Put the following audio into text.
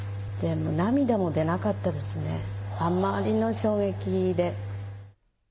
涙も出なかったですね、あまりの衝撃で。